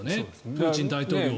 プーチン大統領は。